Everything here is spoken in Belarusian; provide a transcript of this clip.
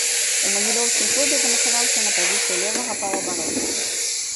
У магілёўскім клубе замацаваўся на пазіцыі левага паўабаронцы.